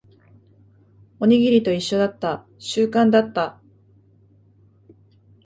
おにぎりと一緒だった。習慣だった。